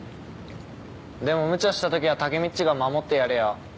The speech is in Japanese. でも無茶したときはタケミっちが守ってやれよ。